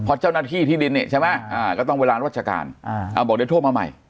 เพราะเจ้าหน้าที่ที่ดินนี่ใช่ไหมก็ต้องเวลาราชการบอกเดี๋ยวโทรมาใหม่